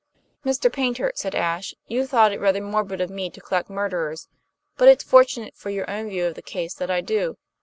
"Mr. Paynter," said Ashe, "you thought it rather morbid of me to collect murderers; but it's fortunate for your own view of the case that I do.